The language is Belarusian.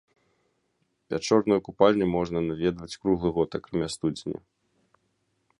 Пячорную купальню можна наведваць круглы год, акрамя студзеня.